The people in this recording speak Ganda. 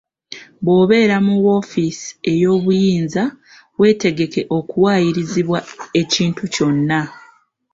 Bw'obeera mu woofiisi ey'obuyinza weetegeke okuwaayirizibwa ekintu kyonna.